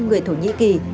người thổ nhĩ kỳ